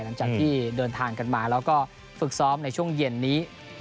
หลังจากที่เดินทางกันมาแล้วก็ฝึกซ้อมในช่วงเย็นนี้